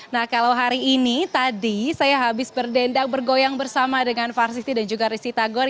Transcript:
nah kalau hari ini tadi saya habis berdendak bergoyang bersama dengan farsisti dan juga rizy tagor